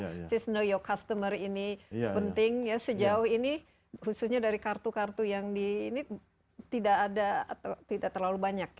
jadi harus know your customer ini penting ya sejauh ini khususnya dari kartu kartu yang di ini tidak ada atau tidak terlalu banyak ya